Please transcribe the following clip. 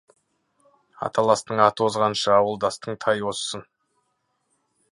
Аталастың аты озғанша, ауылдастың тайы озсын.